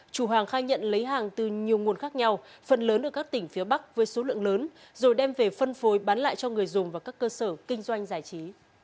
chủ hàng khai nhận lấy hàng từ nhiều nguồn khác nhau phần lớn ở các tỉnh phía bắc với số lượng lớn rồi đem về phân phối bán lại cho người dùng và các cơ sở kinh doanh giải trí